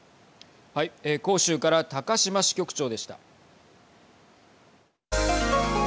広州から高島支局長でした。